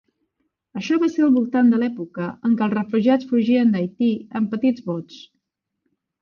Això va ser al voltant de l'època en què els refugiats fugien d'Haití en petits bots.